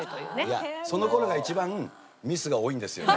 いやその頃が一番ミスが多いんですよね。